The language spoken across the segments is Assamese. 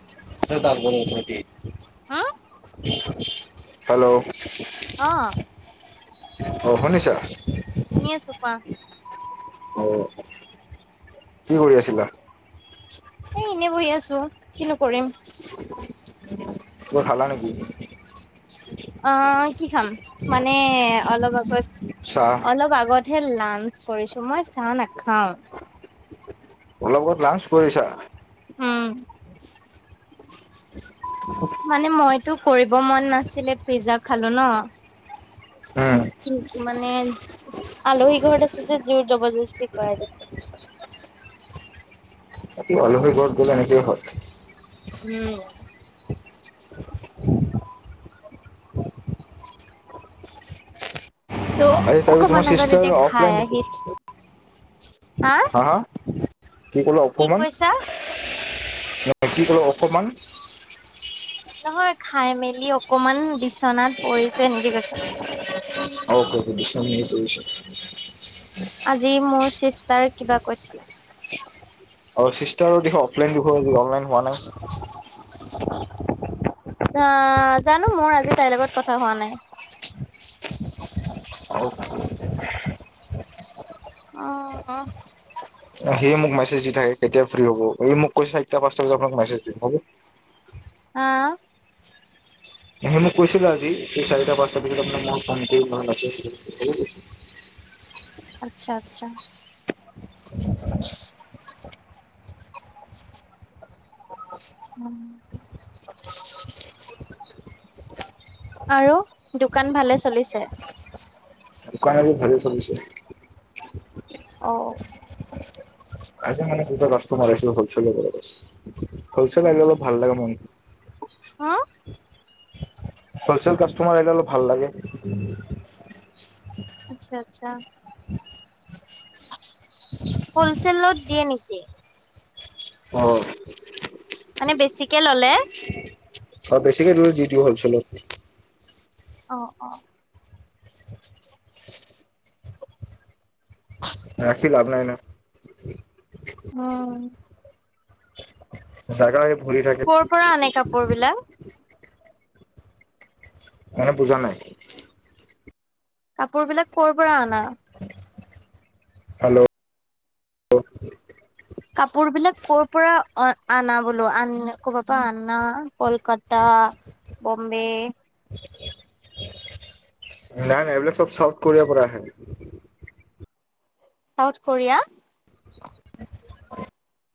[unintelligible] হা? হেল্ল', অহ অহ, শুনিছা? শুনি আছো কোৱা। অহ, কি কৰি আছিলা? এ এনেই বহি আছো কিনো কৰিম। কিবা খালা নেকি? অ', কি খাম মানে অলপ আগত- চাহ অলপ আগত হে লাঞ্চ কৰিছো মই চাহ নেখাওঁ। অলপ আগত লাঞ্চ কৰিছা? উম। মানে মইতো কৰিব মন নাছিলে পিজ্জা খালো ন',। উম কিন্তু মানে আলহী ঘৰতে আছোঁ যে জোৰ জবৰদস্তি কৰাই দিছে। অকি আলহী ঘৰত গ'লে এনেকেই হয়। উম ত' আজি তাৰপি তোমাৰ অকমান আগত চিষ্টাৰ এতিয়া খাই অফলাইন আহিছো দেখুন হা? কি কলা অপমান -কি কলাঅপমান নহয় খাই মেলি অকমান বিচনাত পৰিছো এনকে কৈছোঁ। [unintelligible] আজি মোৰ ছিষ্টাৰ কিবা কৈছিল আৰু চিষ্টাৰৰ দিখো অফলাইন দিখো অনলাইন হোৱা নাই। আহ, জানো মোৰ আজি তাইৰ লগত কথা হোৱা নাই। [unintelligible] অ', - অ', সিয়ে মোক মেছেজ দি থাকে কেতিয়া ফ্ৰী হব এই মোক কৈছে চাৰটা- পাঁচটা বজাত আপোনাক মেছেজ দিম হ'ব হা সে মোক কৈছিল আজি সি চাৰিটা -পাঁচটা পিছত আপোনাক মই ফোন কৰিম বা মেছেজ দি দিম [unintelligible] [inaudible] আচ্ছা -আচ্ছা। [inaudible] উম আৰু দোকান ভালে চলিছে? দোকান আজি ভালে চলিছে। অ', আজি মানে দুটা কাষ্টমাৰ আহছিল হ'লছেল [unintelligible] হ'লছেল আহিলে ভাল লাগে মনটো। হা? হ'লচেল কাষ্টমাৰ আহিলে অলপ ভাল লাগে। আচ্ছা- আচ্ছা। হ'লচেলত দিয়ে নেকি? অহ মানে বেছিকে ল'লে আৰু বেছিকে দূৰ দি দেও হ'লচেলত। অ', - অ',। ৰাখি লাভ নাই ন', উম জাগা হৈ ভৰি থাকে। কৰ' পৰা আনে কাপোৰ বিলাক মনে পূজা নাই। কাপোৰ বিলাক কৰ' পৰা অনা। হেল্ল' কাপোৰ বিলাক কৰ' পৰা অ আনা বোলো আ ক পাপা আন্না কলকাতা বম্বে। [unintelligible] নাই নাই এইবিলাক চব চফট কৰিব পৰা আহে। চাউথ কৰিয়া। [unintelligible]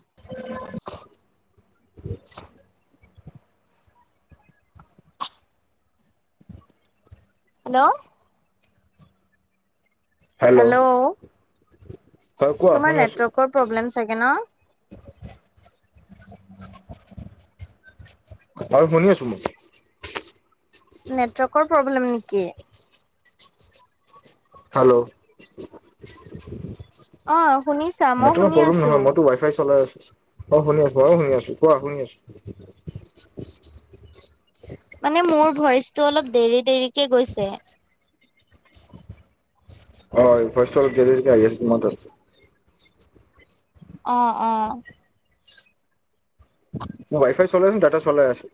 [unintelligible] হেল্ল' হেল্ল' হয় কোৱা তোমাৰ শুনি আছোঁ? নেটৱৰ্কৰ প্ৰব্লেম চাগে ন বাৰু শুনি আছো মোক। নেটৱৰ্কৰ প্ৰব্লেম নেকি? হেল্ল' অ', শুনিছা মই নেটৱৰ্কৰ শুনি প্ৰব্লেম আছো। নহয় মইতো ৱাই ফাই চলাই আছো অ শুনি আছো অ শুনি আছো কোৱা শুনি আছো মানে মোৰ ভইচটো অলপ দেৰি দেৰিকে গৈছে হয় ভইচ টো অলপ দেৰি দেৰিকে আহি আছে তোমাৰ তাত। অ অ মোৰ ৱাইফাই চলাই আছোঁ ডাটা চলাই আছোঁ।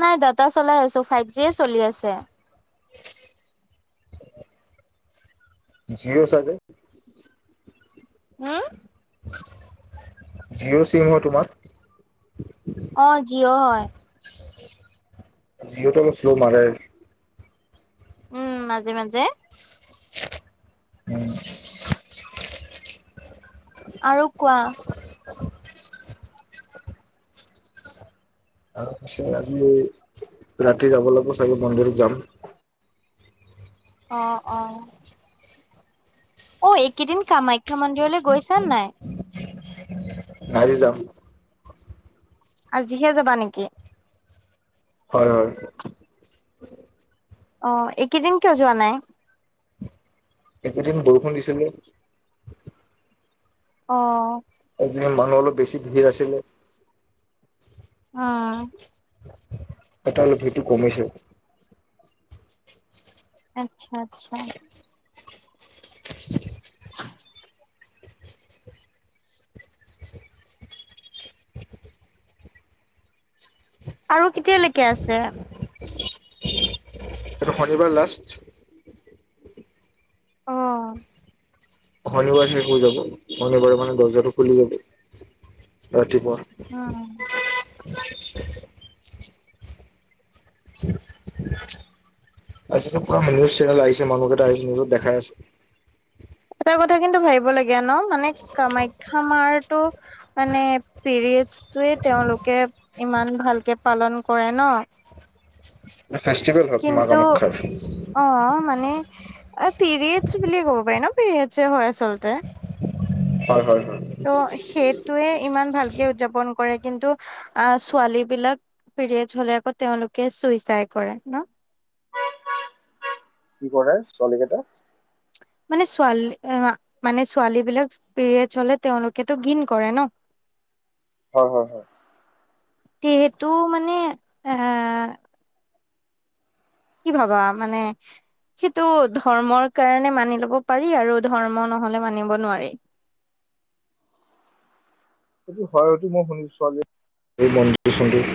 নাই ডাটা চলাই আছো ফাইভ জি চলি আছে জিঅ চাগে হা জিঅ' চিম হয় তোমাৰ। অ জিঅ হয়। জিঅটো অলপ শ্ল' মাৰে। উম মাজে মাজে। উম। আৰু কোৱা। আৰু পি আজি ৰাতি যাব লাগিব চাগে মন্দিৰত যাম। আহ অ অ এইকেইদিন কামাখ্যা মন্দিৰলৈ গৈছানে নাই। আজি যাম। আজিহে যাবা নেকি হয় হয়। অ এইকেইদিন কিয় যোৱা নাই। একেইদিন বৰষুণ দিছিলে। অ এইকেইদিন মানুহ অলপ বেছি ভিৰ আছিলে। অ এটা লভিটো কমিছো। আচ্ছা আচ্ছা [unintelligible] আৰু কেতিয়ালৈকে আছে। এইটো শনিবাৰ লাষ্ট। আহ শনিবাৰ শেষ হৈ যাব শনিবাৰ মানে গজা খুলি যাব উম। [unintelligible] আজতে পুৰা নিউজ চেনেল আহিছে মানুহকেইটা আহিছে নিউজত দেখাই আছে এটা কথা কিন্তু ভাবিব লগীয়া ন মানে কামাখ্যা মাৰটো মানে পিৰিয় তেওঁলোকে ইমান ভালকে পালন কৰে ন ফেষ্টিভেল হয় মা কিন্তু কামাখ্যাৰ, অ মানে পিৰিয়েডছ বুলিয়ে ক'ব পাৰি ন পিৰিয়েডছ হয় আচলতে হয় হয় হয়। ত' সেইটোৱে ইমান ভালকে উদযাপন কৰে কিন্তু আহ ছোৱালী বিলাক পিৰিয়ড হলে আকৌ তেওঁলোকে চুইচাই কৰে ন কি কৰে ছোৱালীকেইটাই মানে ছোৱালী মানে ছোৱালী বিলাক পিৰিয়ডছ হলে তেওঁলোকেতো ঘিণ কৰে ন। হয় হয় হয় যিহেতু মানে এ কি ভাবা মানে সেইটো ধৰ্মৰ কাৰণে মানি লব পাৰি আৰু ধৰ্ম নহলে মানিব নোৱাৰি [unintelligible] সেইটো হয় সেইটো মই শুনিছোঁ এই মন্দিৰ চন্দিৰ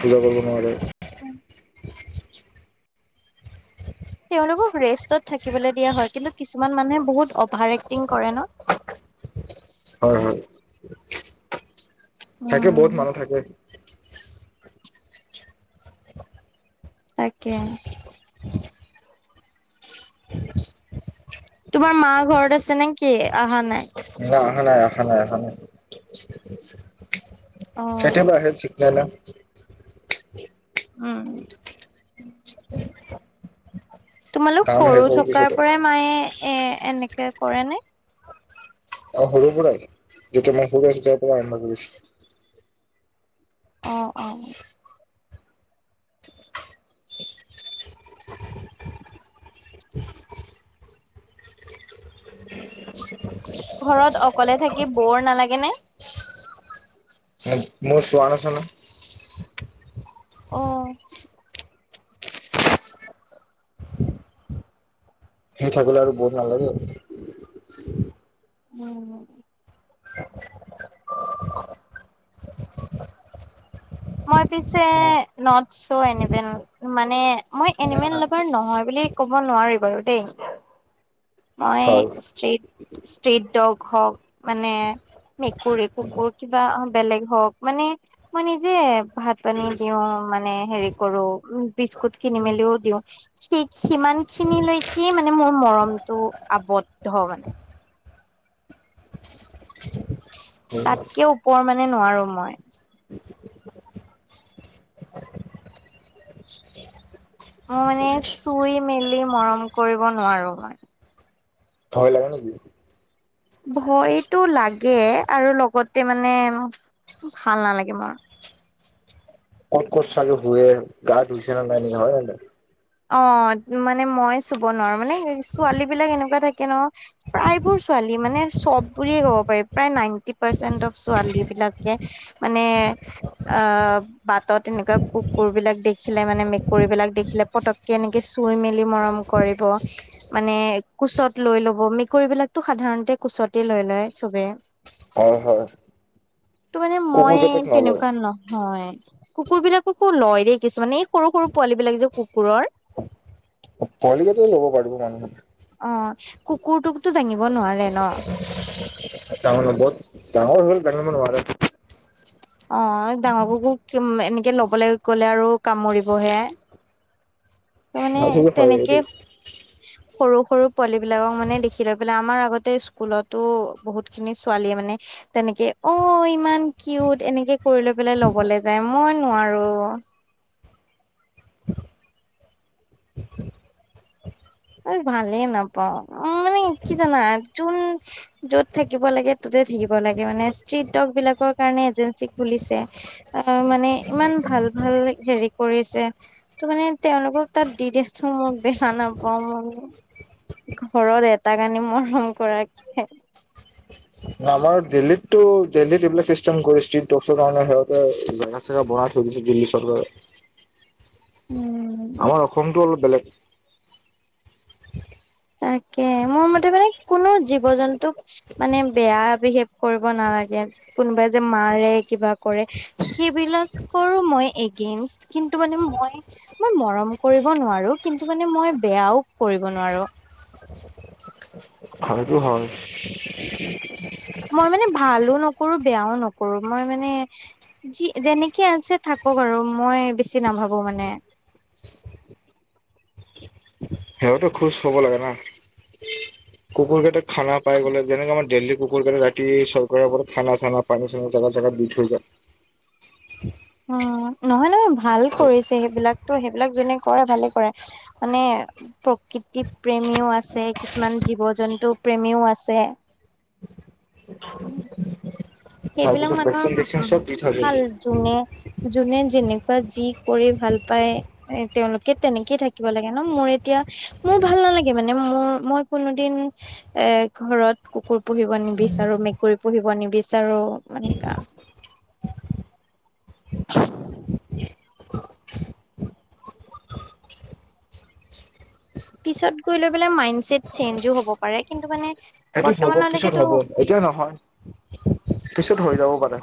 পূজা কৰিব নোৱাৰে। ইচ চু চু। তেওঁলোকক ৰেষ্টত থাকিবলৈ দিয়া হয়। কিন্তু কিছুমান মানুহে বহুত অভাৰ এক্টিং কৰে ন। হয় হয়। থাকে উম বহুত মানুহ থাকে। তাকে। [unintelligible] তোমাৰ মা ঘৰত আছে নেকি অহা নাই। না আহা নাই, আহা নাই, আহা নাই অ'। কেতিয়াবা সেইত। নলা। উম। [unintelligible] তোমালোক কাম শেষ সৰু হোৱাৰ থকাৰ পিছতে পৰাই মায়ে এ এনেকে কৰে নে। অ সৰু পৰাই যেতিয়া মই সৰু আছোঁ, তেতিয়াৰ‌ পৰাই আৰম্ভ কৰিছিল। অ অ। ঘৰত অকলে থাকি বৰ নালাগে নে। মোৰ শোৱান ন। অহ। সি থাকিলে আৰু বৰ‌ নালাগে। উম। মই পিছে নট ছ এনিমেল মানে মই এনিমেল লাভাৰ নহয় বুলি। কি ক'ব নোৱাৰি বাৰু দেই। হয়। মই ষ্ট্ৰট ষ্ট্ৰাট ডগ হওঁক মানে। মেকুৰী কুকুৰ কিবা বেলেগ হওঁক মানে মই নিজে ভাত পানী দিওঁ। মানে হেৰি কৰো বিস্কুট কিনি মেলিও দি সি সিমান খিনিলৈকে কি মানে। মানে মোৰ মৰমটো আবদ্ধ মানে। তাতকে ওপৰ মানে নোৱাৰোঁ মই। মই মানে চুই মেলি মৰম কৰিব নোৱাৰোঁ মই। ভয় লাগে নেকি। ভয়তটো লাগে আৰু লগতে মানে। ভাল নালাগে মোৰ। ক'ত ক'ত চাগে শুৱে গা ধুইছে নে নাই ইহঁত আৰু। অ মানে মই চুব নোৱাৰোঁ মানে ছোৱালী বিলাক এনেকুৱা থাকে ন প্ৰায়বোৰ। ছোৱালী মানে চব বুলিয়ে ক'ব পাৰি প্ৰায় নাইনটি পাৰ্চেন্ট অফ ছোৱালী বিলাকে মানে। অ বাটত এনেকুৱা কুকুৰ বিলাক দেখিলে মানে মেকুৰী বিলাক দেখিলে পটক কেনেকে চুই মেলি মৰম কৰিব, মানে কোচত লৈ ল'ব মেকুৰী বিলাকতো সাধাৰণ সাধাৰণতে কোচতে লৈ লয় চবে। হয় হয়। ত মানে মই কুকুৰ কেইটাক নলয় তেনেকুৱা নহয়। কুকুৰ বিলাককো লয় দেই কিছুমানে এই সৰু সৰু পোৱালী বিলাক যে কুকুৰৰ। পোৱলি গিটাক ল'ব পাৰিব মানুহে। অ কুকুৰটোকতো দাঙিব নোৱাৰে ন তাৰ মানে বহুত ডাঙৰ হ'ল ডাঙৰ মানে অ ডাঙৰকো এনেকে লবলৈ গ'লে আৰু কামুৰিবহে। ত মানে হয় তেনেকে এইটো সৰু সৰু পোৱালী বিলাকক মানে দেখি লৈ পেলাই আমাৰ আগতে স্কুলতো বহুত খিনি ছোৱালী মানে তেনেকে অ ইমান কিউট এনেকে কৰি লৈ পেলাই লবলে যায় মই নোৱাৰোঁ আৰু ভালেই নাপাওঁ অ মানে। কি জানা যোন য'ত থাকিব লাগে ততে থাকিব লাগে মানে ষ্ট্ৰিট দগ বিলাকক কাৰণে এজেঞ্চি খুলিছে, অ মানে ইমান ভাল ভাল হেৰি কৰিছে। ত মানে তেওঁলোকক তাত দি দেছ মই বেহা নাম কম মান ঘৰত এটা কানি মৰম কৰাকে ন আমাৰ দিল্লীতটো দিল্লীত এইবিলাক চিষ্টেম কৰি ষ্ট্ৰিট টকছৰ কাৰণে সিহঁতে জেগা চেগা বহাই থৈ দিল্লী চৰকাৰ উম। আমাৰ অসমতো অলপ বেলেগ তাকে মোৰ মতে মানে কোনো জীৱ -জন্তুক মানে বেয়া বিহেভ কৰিব নাল লাগে। কোনোবাই যে মাৰে কিবা কৰে সেইবিলাকৰো মই এগেইঞ্চ কিন্তু মানে মই মই মৰম কৰিব নোৱাৰো কিন্তু মানে মই বেয়াও কৰিব নোৱাৰো। ভালেটো হয়। মই মানে ভালো ন কৰো বেয়াও নকৰো মই মানে যি যেনেকে আছে থাকো আৰু মই বেছি নাম ভাবো মানে। [unintelligible] সেহতো খোজ হব লাগে না, কুকুৰ কেইটা খানা পাই গ'লে যেনেকে আমাৰ দেল্লী কুকুৰ কাৰনে ৰাতি চৰকাৰৰ ওপৰত খানা চানা পানী চানা জেগা জেগাত দি থৈ যায়। উম নহয় নহয় ভাল কৰিছে সেইবিলাকতো সেইবিলাক যোনে কৰে ভালে কৰে মানে প্ৰকৃতি প্ৰেমীও আছে, কিছুমান জীৱ জন্তু প্ৰেমীও আছে সেইবিলাক তাৰপিছত ভেকচিন চেকচিন মানুহৰ চব দি থৈ যায় ভাল যোনে যোনে যেনেকুৱা যি কৰি ভাল পায় এ তেওঁলোকে তেনেকেই থাকিব লাগে, ন মোৰ এতিয়া মোৰ ভাল নালাগে মানে মোৰ মই কোনোদিন এ ঘৰত কুকুৰ পুহিব নিবিচ চাৰো, মেকুৰী পুহিব নিবিচাৰো মানে কা [unintelligible] পিছত গৈ লৈ পেলাই মাইণ্ড চেট চেঞ্জো হব পাৰে কিন্তু মানে সেইটো হ'ব পিছত বৰ্তমানলৈকেতো হ'ব এতিয়া নহয় পিছত হৈ যাব পাৰে।